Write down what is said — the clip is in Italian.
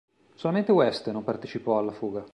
Solamente West non partecipò alla fuga.